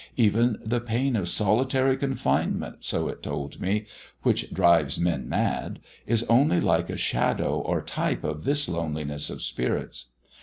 Even the pain of solitary confinement, so it told me, which drives men mad, is only like a shadow or type of this loneliness of spirits.